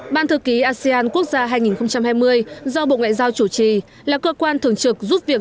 ban thư ký asean quốc gia hai nghìn hai mươi do bộ ngoại giao chủ trì là cơ quan thường trực giúp việc